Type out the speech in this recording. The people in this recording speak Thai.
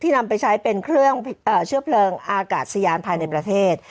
นำไปใช้เป็นเครื่องเชื้อเพลิงอากาศยานภายในประเทศ